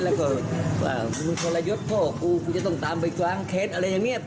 แล้วก็ว่ามึงพลยศพ่อครูครูจะต้องตามไปกลางเข็ดอะไรอย่างเนี้ย